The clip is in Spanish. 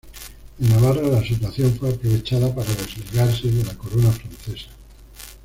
En Navarra la situación fue aprovechada para desligarse de la corona francesa.